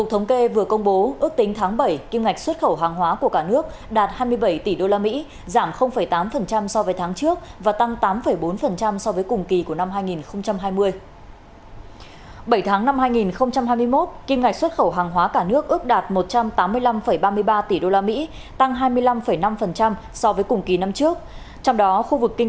tổng thống kê vừa công bố ước tính tháng bảy kiêm ngạch xuất khẩu hàng hóa của cả nước đạt hai mươi bảy tỷ đô la mỹ giảm tám so với tháng trước và tăng tám bốn so với cùng kỳ của năm hai nghìn hai mươi